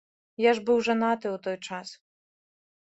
Я ж быў жанаты ў той час.